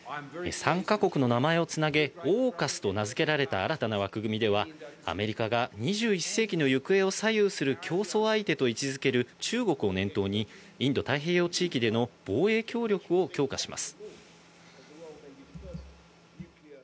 参加国の名前をつなげ、オーカスと名付けられた新たな枠組みでは、アメリカが２１世紀の行方を左右する競争相手と位置付ける中国を念頭にインド太平洋地域での防衛協力を強化します。